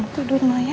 udah aku tidur dulu ya